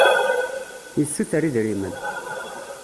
Yessuter idrimen.